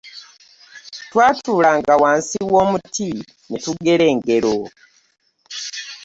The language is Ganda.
Twatuulanga wansi w'omuti ne tugera engero.